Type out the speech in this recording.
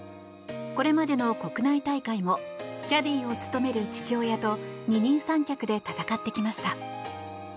これまでの国内大会もキャディーを務める父親と二人三脚で戦ってきました。